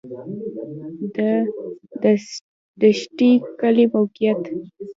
د دشټي کلی موقعیت